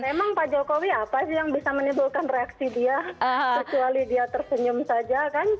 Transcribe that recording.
memang pak jokowi apa sih yang bisa menimbulkan reaksi dia kecuali dia tersenyum saja kan